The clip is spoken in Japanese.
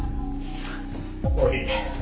もういい。